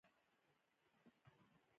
دروازه تا خلاصه کړه.